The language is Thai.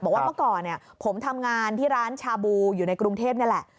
บอกว่าเมื่อก่อนผมทำงานที่ร้านชาบูอยู่ในกรุงเทพนี่แหละ